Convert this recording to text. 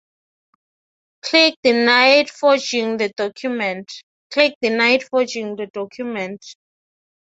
Gleick denied forging the document.